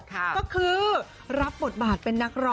ก็คือรับบทบาทเป็นนักร้อง